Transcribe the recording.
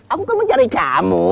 aku kan mencari kamu